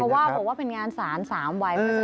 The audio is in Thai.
เพราะว่าบอกว่าเป็นงานสารสามวัย